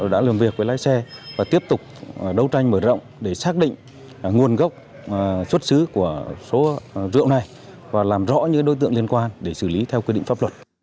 đã làm việc với lái xe và tiếp tục đấu tranh mở rộng để xác định nguồn gốc xuất xứ của số rượu này và làm rõ những đối tượng liên quan để xử lý theo quy định pháp luật